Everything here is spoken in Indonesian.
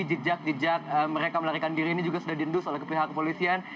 jejak jejak mereka melarikan diri ini juga sudah diendus oleh pihak kepolisian